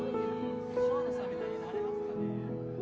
正野さんみたいになれますかね？